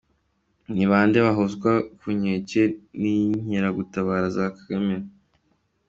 – Ni bande bahozwa ku nkeke n’inkeragutabara za Kagame?